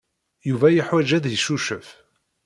Yuba yeḥwaj ad yeccucef.